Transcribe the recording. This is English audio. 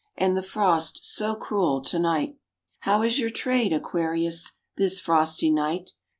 And the frost so cruel to night!" "How is your trade, Aquarius, This frosty night?"